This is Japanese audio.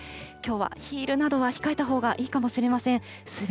きょうはヒールなどは控えたほうがいいかもしれません。